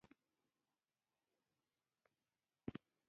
ګلونه د نبات د تکثیر وسیله ده